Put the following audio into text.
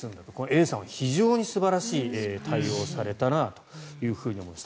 Ａさんは非常に素晴らしい対応をされたなと思います。